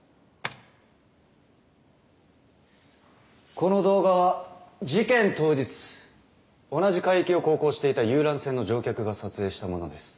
この動画は事件当日同じ海域を航行していた遊覧船の乗客が撮影したものです。